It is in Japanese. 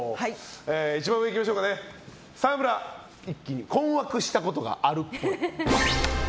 一番上、沢村一樹に困惑したことがあるっぽい。